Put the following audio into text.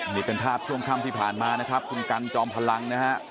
นี่เป็นภาพช่วงค่ำที่ผ่านมาคุณกัลจอมพลัง